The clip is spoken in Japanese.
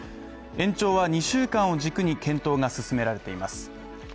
延長は２週間を軸に検討が進められています。